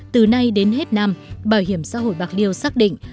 từ nay đến hết năm bảo hiểm xã hội bạc liêu xác định